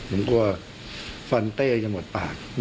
ผมกลัวฟันเต้จะหมดปาก